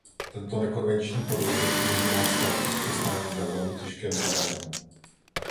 Tento nekonvenční podvozek umožňoval start i přistání ve velmi těžkém terénu.